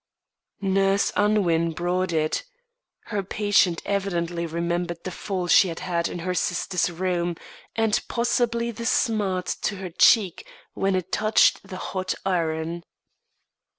Nurse Unwin brought it. Her patient evidently remembered the fall she had had in her sister's room, and possibly the smart to her cheek when it touched the hot iron.